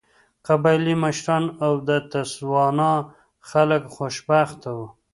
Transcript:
قبایلي مشران او د تسوانا خلک خوشبخته وو.